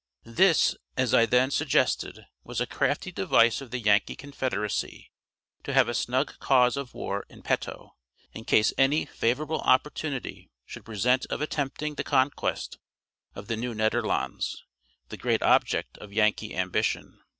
This, as I then suggested, was a crafty device of the Yankee confederacy to have a snug cause of war in petto, in case any favorable opportunity should present of attempting the conquest of the New Nederlands, the great object of Yankee ambition.